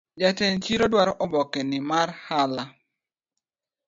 Jatend chiro dwaro obokeni mar hala